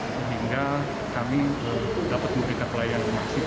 sehingga kami dapat memiliki kelayanan maksimal